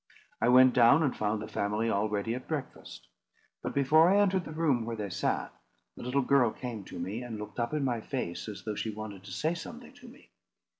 I went down, and found the family already at breakfast. But before I entered the room where they sat, the little girl came to me, and looked up in my face, as though she wanted to say something to me.